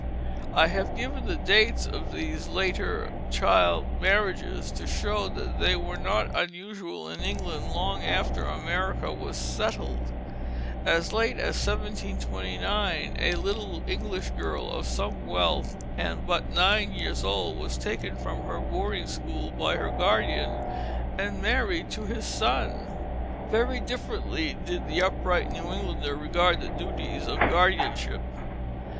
I have given the dates of these later child marriages to show that they were not unusual in England long after America was settled. As late as 1729 a little English girl of some wealth and but nine years old was taken from her boarding school by her guardian and married to his son. Very differently did the upright New Englander regard the duties of guardianship.